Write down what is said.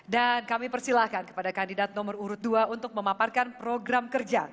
dan kami persilahkan kepada kandidat nomor urut dua untuk memaparkan program kerja